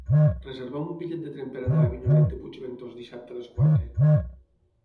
Reserva'm un bitllet de tren per anar a Avinyonet de Puigventós dissabte a les quatre.